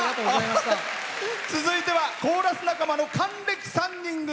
続いてはコーラス仲間の還暦３人組。